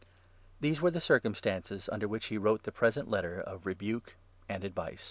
These were the circumstances under which he wrote the present Letter of rebuke and advice.